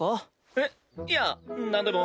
えっいやなんでも。